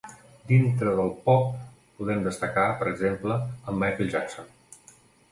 Dintre del pop podem destacar, per exemple, en Michael Jackson.